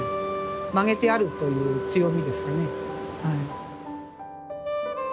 曲げてあるという強みですかね。